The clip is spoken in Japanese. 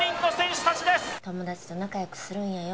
友達と仲良くするんやよ